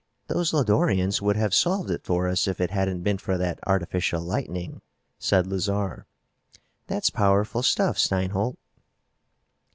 "Those Lodorians would have solved it for us if it hadn't been for that artificial lightning," said Lazarre. "That's powerful stuff, Steinholt."